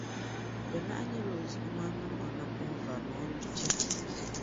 bɛ naɣ’ nyala o zuɣuŋmaŋ min’ o napɔnvari ni o nuchɛhi.